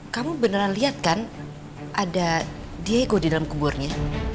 kamu beneran lihat kan ada diego di dalam kuburnya